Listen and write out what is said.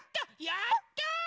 やった！